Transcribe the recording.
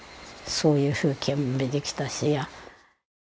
そういう風景も見てきたし。